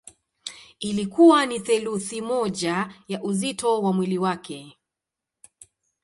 Ilikuwa ni theluthi moja ya uzito wa mwili wake.